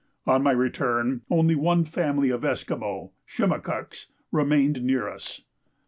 On my return only one family of Esquimaux (Shimakuk's) remained near us.